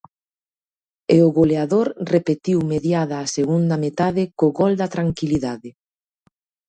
E o goleador repetiu mediada a segunda metade co gol da tranquilidade.